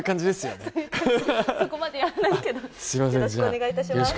よろしくお願いします